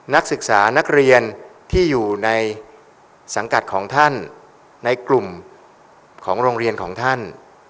นักศึกษานักเรียนที่อยู่ในสังกัดของท่านในกลุ่มของโรงเรียนของท่าน